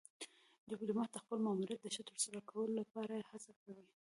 ډيپلومات د خپل ماموریت د ښه ترسره کولو لپاره هڅه کوي.